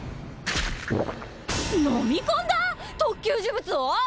飲み込んだ⁉特級呪物を？